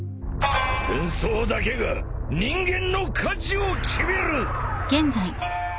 戦争だけが人間の価値を決める！